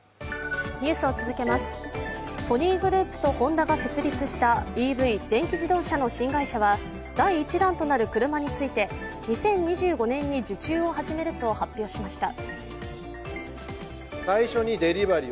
ソニーグループとホンダが設立したＥＶ＝電気自動車の新会社は第１弾となる車について２０２５年に受注を始めると発表しました。